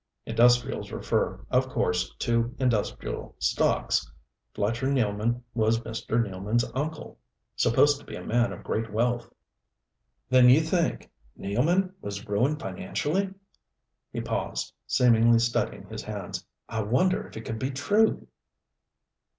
Industrials refer, of course, to industrial stocks. Fletcher Nealman was Mr. Nealman's uncle, supposed to be a man of great wealth " "Then you think Nealman was ruined financially?" He paused, seemingly studying his hands. "I wonder if it could be true."